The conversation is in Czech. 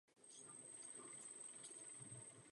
Vlakový doprovod pak vlak vypraví dle postupu výše.